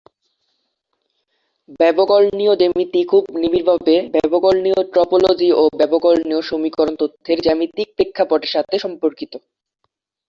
ব্যবকলনীয় জ্যামিতি খুব নিবিড়ভাবে ব্যবকলনীয় টপোলজি ও ব্যবকলনীয় সমীকরণ তত্ত্বের জ্যামিতিক প্রেক্ষাপটের সাথে সম্পর্কিত।